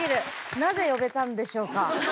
なぜ呼べたんでしょうか。